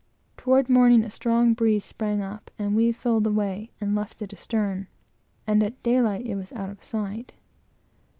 Toward morning, a strong breeze sprang up, and we filled away, and left it astern, and at daylight it was out of sight.